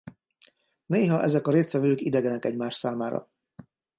Néha ezek a résztvevők idegenek egymás számára.